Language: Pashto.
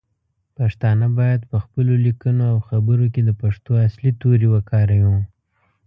پښتانه باید پخپلو لیکنو او خبرو کې د پښتو اصلی تورې وکاروو.